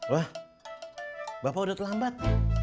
wah bapak udah terlambat